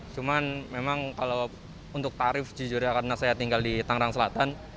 cuman memang kalau untuk tarif jujurnya karena saya tinggal di tangerang selatan